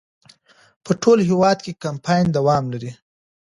په ټول هېواد کې کمپاین دوام لري.